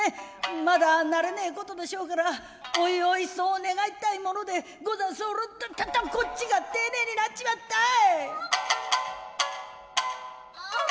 まだ慣れねえことでしょうからおいおいそう願いたいものでござ候っととこっちが丁寧になっちまったい」。